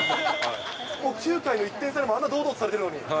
もう９回の１点差でもあんな堂々とされてるのに。